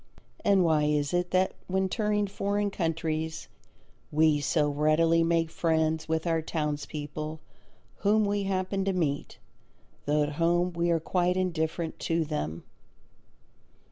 And why is it that when touring foreign countries we so readily make friends with our townspeople whom we happen to meet, though at home we are quite indifferent to them?